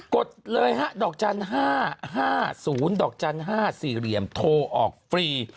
กดเลยดอกจันทร์๕๕๐๕๔๐โทรออกฟรี